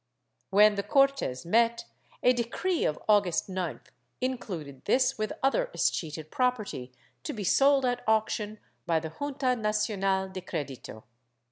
When the Cortes met, a decree of August 9th included this with other escheated property, to be sold at auction by the Junta nacional de Credito.